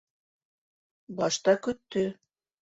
Башта көттө.